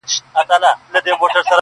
• د جنون غرغړې مړاوي زولانه هغسي نه ده -